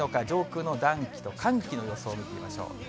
上空の暖気と寒気の予想を見ていきましょう。